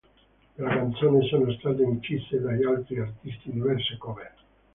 Della canzone sono state incise da altri artisti diverse cover.